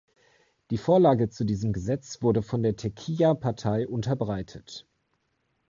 Die Vorlage zu diesem Gesetz wurde von der Techija-Partei unterbreitet.